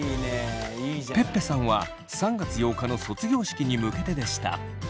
ぺっぺさんは３月８日の卒業式に向けてでした。